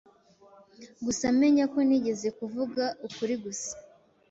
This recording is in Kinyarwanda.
Gusa menya ko nigeze kuvuga ukuri gusa.